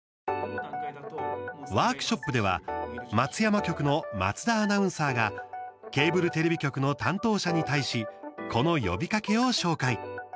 ワークショップでは松山局の松田アナウンサーがケーブルテレビ局の担当者に対しこの呼びかけを紹介。